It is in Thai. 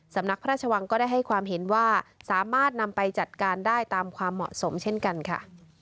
สำนักพระราชวังก็ได้ให้ความเห็นว่าสามารถนำไปจัดการได้ตามความเหมาะสมเช่นกันค่ะ